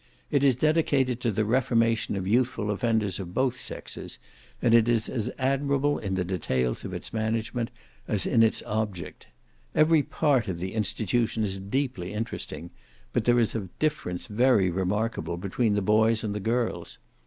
It is dedicated to the reformation of youthful offenders of both sexes, and it is as admirable in the details of its management, as in its object. Every part of the institution is deeply interesting; but there is a difference very remarkable between the boys and the girls.